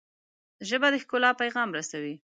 ژبه د ښکلا پیغام رسوي